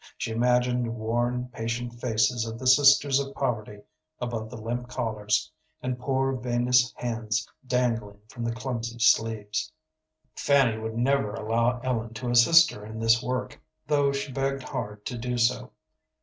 She imagined worn, patient faces of the sisters of poverty above the limp collars, and poor, veinous hands dangling from the clumsy sleeves. Fanny would never allow Ellen to assist her in this work, though she begged hard to do so.